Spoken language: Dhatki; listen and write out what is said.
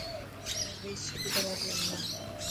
ڀويش سڏ ڪري پيو منا.